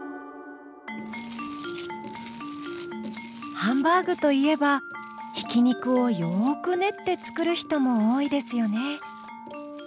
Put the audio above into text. ハンバーグといえばひき肉をよく練って作る人も多いですよね。